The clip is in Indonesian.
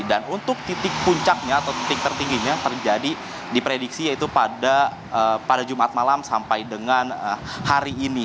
dan untuk titik puncaknya atau titik tertingginya terjadi di prediksi yaitu pada jumat malam sampai dengan hari ini